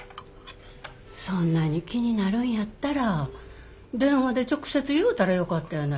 そんなに気になるんやったら電話で直接言うたらよかったやないの。